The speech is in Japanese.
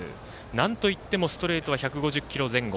なんといってもストレートは１５０キロ前後。